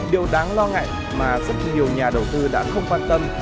điều đáng lo ngại mà rất nhiều nhà đầu tư đã không quan tâm